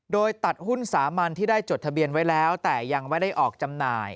โดยตัดหุ้นสามัญที่ได้จดทะเบียนไว้แล้วแต่ยังไม่ได้ออกจำหน่าย